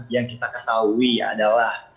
yang kita ketahui adalah